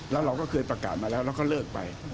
แล้วเราก็เคยประกาศมาแล้วแล้วก็เลิกไป